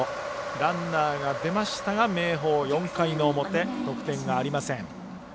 ランナーが出ましたが明豊４回の表、得点がありません。